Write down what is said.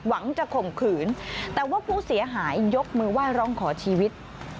หวังจะคงคืนแต่ว่าผู้เสียหายยกมือว่าหย่องขอชีวิต